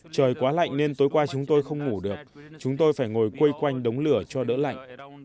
trời quá lạnh nên tối qua chúng tôi không ngủ được chúng tôi phải ngồi quây quanh đống lửa cho đỡ lạnh